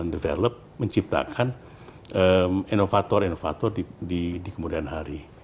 bagaimana kita bisa mengembangkan menciptakan inovator inovator di kemudian hari